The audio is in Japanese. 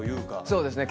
そうですね